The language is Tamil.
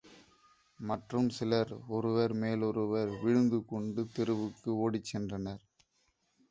மற்றும் சிலர் ஒருவர்மேலோருவர் விழுந்துகொண்டு தெருவுக்கு ஓடிச்சென்றனர்.